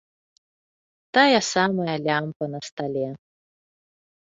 Тая самая лямпа на стале.